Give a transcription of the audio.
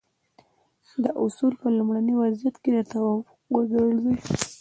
دا اصول په لومړني وضعیت کې د توافق وړ ګرځي.